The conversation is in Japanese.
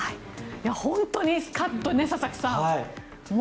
本当にスカッとね佐々木さん。